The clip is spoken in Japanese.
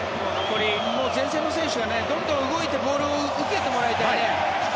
前線の選手がどんどん動いてボールを受けてもらいたいね。